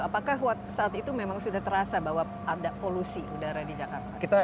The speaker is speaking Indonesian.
apakah saat itu memang sudah terasa bahwa ada polusi udara di jakarta